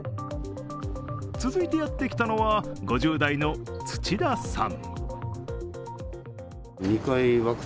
続いてやってきたのは５０代の土田さん。